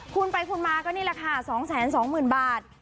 คุณไปคุณมาก็นี่แหละค่ะ๒๒๐๐๐บาท